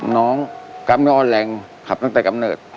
น้องกลับไม่อ่อนแรงครับตั้งแต่กลับเนิด